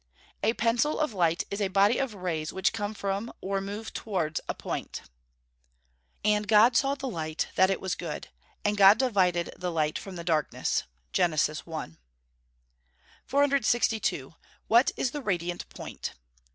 _ A pencil of light is a body of rays which come from or move towards a point. [Verse: "And God saw the light, that it was good: and God divided the light from the darkness." GEN. I.] 462. _What is the radiant point?